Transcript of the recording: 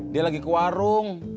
dia lagi ke warung